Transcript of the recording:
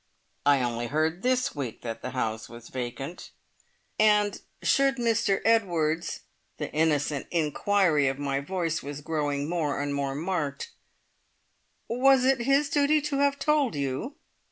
"I only heard this week that the house was vacant." "And should Mr Edwards" (the innocent inquiry of my voice was growing more and more marked) "was it his duty to have told you?"